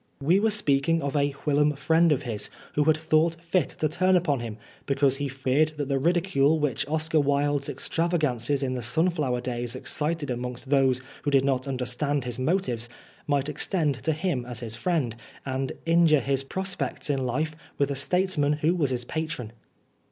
We were epeaking of a whilom friend of his who had thought fit to turn upon him, because he feared that the ridicule which Oscar Wilde's extravagances in the sunflower days excited amongst those who did not understand his 39 Oscar Wilde motives, might extend to him as his friend, and injure his prospects in life with a statesman who was his patron.